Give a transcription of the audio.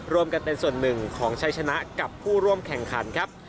รวมกันเป็นส่วนหนึ่งของชัยชนะกับผู้ร่วมแข่งขันครับ